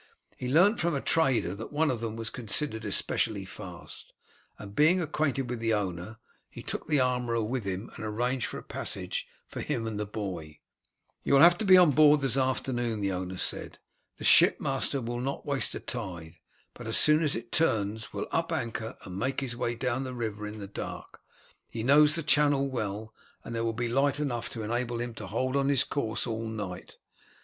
He learnt from a trader that one of them was considered especially fast, and being acquainted with the owner, he took the armourer with him, and arranged for a passage for him and the boy. "You will have to be on board this afternoon," the owner said. "The shipmaster will not waste a tide, but as soon as it turns will up anchor and make his way down the river in the dark. He knows the channel well, and there will be light enough to enable him to hold on his course all night.